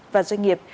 và doanh nghiệp